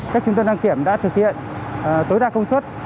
các trung tâm đăng kiểm đã thực hiện tối đa công suất